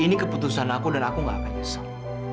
ini keputusan aku dan aku gak akan nyesel